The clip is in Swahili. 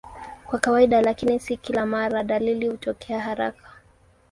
Kwa kawaida, lakini si kila mara, dalili hutokea haraka.